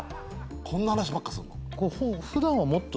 こんな話ばっかすんの。